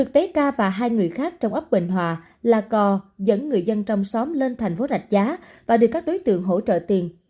tk và hai người khác trong ấp bình hòa là cò dẫn người dân trong xóm lên thành phố rạch giá và đưa các đối tượng hỗ trợ tiền